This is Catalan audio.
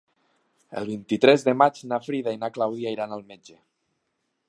El vint-i-tres de maig na Frida i na Clàudia iran al metge.